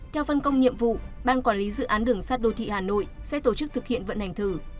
theo phân công nhiệm vụ ban quản lý dự án đường sắt đô thị hà nội sẽ tổ chức thực hiện vận hành thử